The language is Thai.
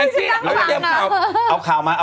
แอ้งกี้เอาข่าวมาเอาข่าวมา